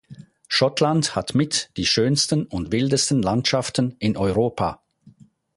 Schottland hat mit die schönsten und wildesten Landschaften in Europa.